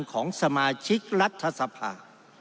ของสมาชิกรัฐสภา